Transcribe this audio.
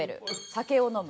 酒を飲む。